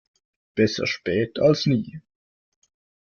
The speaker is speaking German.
Besser spät als nie.